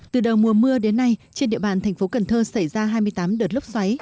từ đầu mùa mưa đến nay trên địa bàn thành phố cần thơ xảy ra hai mươi tám đợt lốc xoáy